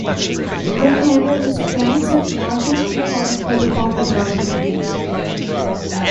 However, these plans have not been confirmed by the Port Authority.